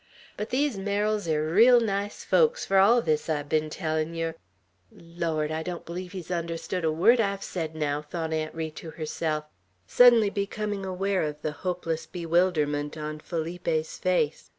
But these Merrills air reel nice folks, fur all this I've ben tellin' yer! Lawd! I don't believe he's understood a word I've said, naow!" thought Aunt Ri to herself, suddenly becoming aware of the hopeless bewilderment on Felipe's face.